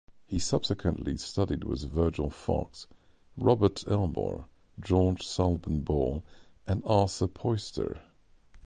He subsequently studied with Virgil Fox, Robert Elmore, George Thalben-Ball and Arthur Poister.